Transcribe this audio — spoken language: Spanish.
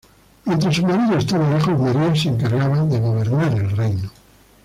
Mientras su marido estaba lejos, María se encargaba de gobernar el reino.